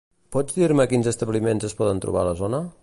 Pots dir-me quins establiments es poden trobar a la zona?